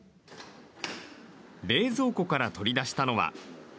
冷蔵庫から取り出したのは。